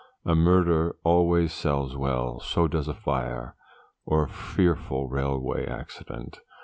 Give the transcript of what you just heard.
A murder always sells well, so does a fire, or a fearful railway accident.